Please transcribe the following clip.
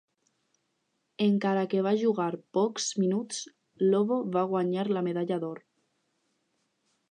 Encara que va jugar pocs minuts, Lobo va guanyar la medalla d'or.